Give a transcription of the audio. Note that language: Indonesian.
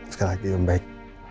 sekali lagi om baik